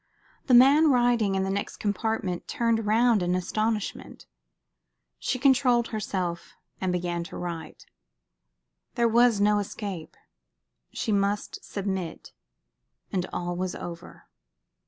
The man writing in the next compartment turned round in astonishment. She controlled herself and began to write. There was no escape. She must submit; and all was over.